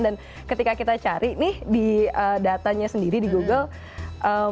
dan ketika kita cari nih di datanya sendiri di google